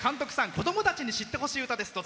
子供たちに知ってほしい歌です。